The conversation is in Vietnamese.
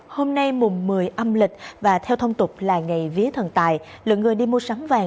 hôm nay mùng một mươi âm lịch và theo thông tục là ngày vía thần tài lượng người đi mua sắm vàng